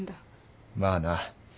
まあな。